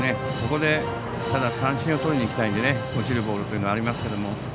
ここで三振をとりにいきたいので落ちるボールというのがありますけど。